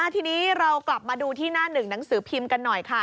ทีนี้เรากลับมาดูที่หน้าหนึ่งหนังสือพิมพ์กันหน่อยค่ะ